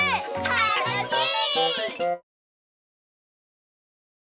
たのしい！